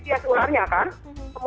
kemudian kita tidak pernah tahu spesiesnya